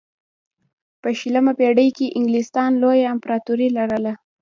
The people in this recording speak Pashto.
په شلمه پېړۍ کې انګلستان لویه امپراتوري لرله.